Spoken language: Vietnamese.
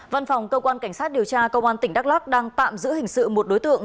văn phòng cơ quan cảnh sát điều tra công an tỉnh đắk lắc đang tạm giữ hình sự một đối tượng